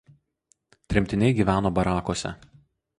Tremtiniai gyveno barakuose.